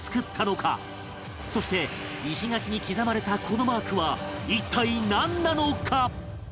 そして石垣に刻まれたこのマークは一体なんなのか？